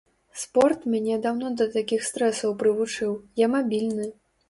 Спорт мяне даўно да такіх стрэсаў прывучыў, я мабільны.